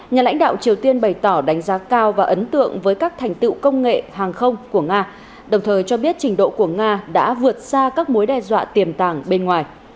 nhà lãnh đạo triều tiên bày tỏ đánh giá cao và ấn tượng với các thành tựu công nghệ hàng không của nga đồng thời cho biết trình độ của nga đã vượt xa các mối đe dọa tiềm tàng bên ngoài